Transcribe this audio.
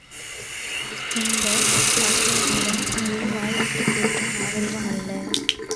இந்தச் சிவேதனிடம் இதை வாய்விட்டுக் கேட்பது நாகரிகமல்ல.